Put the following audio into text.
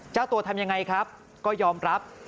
เจ้าตัวทำยังไงครับก็ยอมรับ